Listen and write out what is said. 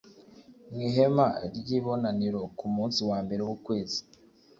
Mu ihema ry ibonaniro ku munsi wa mbere w ukwezi